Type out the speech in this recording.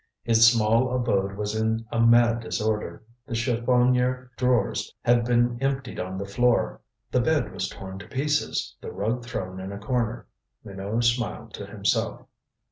His small abode was in a mad disorder. The chiffonier drawers had been emptied on the floor, the bed was torn to pieces, the rug thrown in a corner. Minot smiled to himself.